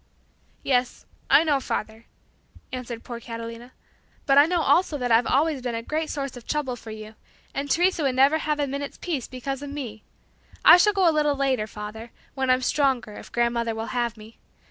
"Yes, I know, father," answered poor Catalina, "but I know also that I've always been a source of great trouble for you, and Teresa would never have a minute's peace because of me. I shall go a little later, father, when I'm stronger, if grandmother will have me.